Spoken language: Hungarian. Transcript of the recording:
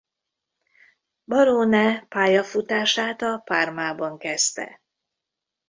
Barone pályafutását a Parmaban kezdte.